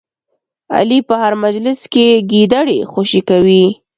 علي په هر مجلس کې ګیدړې خوشې کوي.